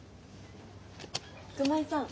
熊井さん。